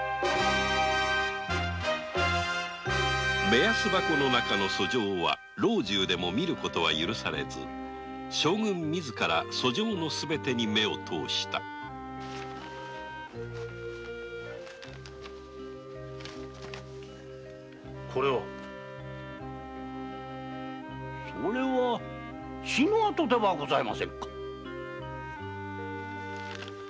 目安箱の中の訴状は老中でも見ることは許されず将軍自ら訴状のすべてに目を通したこれは！血のあとではございませんか！